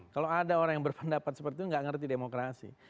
kalau ada orang yang berpendapat seperti itu nggak ngerti demokrasi